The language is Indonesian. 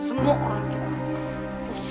udah akang pusing